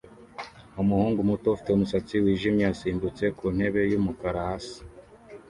Umuhungu muto ufite umusatsi wijimye yasimbutse ku ntebe yumukara hasi